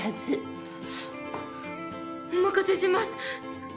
お任せします！